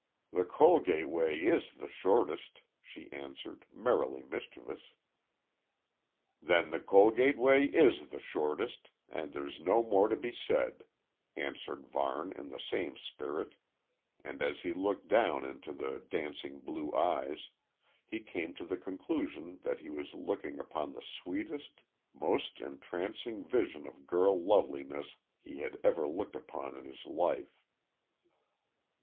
The Cholgate way is the shortest," she answered, merrily mischievous. "Then the Cholgate way is the shortest, and there's no more to be said," answered Varne in the same spirit, and as he looked down into the dancing blue eyes, he came to the conclusion that he was looking upon the sweetest, most entrancing vision of girl loveliness he had ever looked upon in his life.